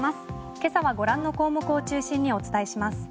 今朝はご覧の項目を中心にお伝えします。